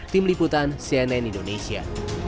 tim liputan cnn indonesia